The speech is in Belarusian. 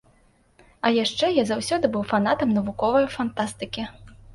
А яшчэ я заўсёды быў фанатам навуковай фантастыкі.